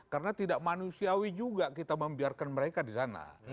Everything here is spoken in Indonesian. karena tidak manusiawi juga kita membiarkan mereka di sana